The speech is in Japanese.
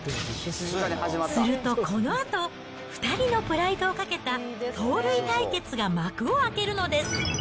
すると、このあと、２人のプライドをかけた盗塁対決が幕を開けるのです。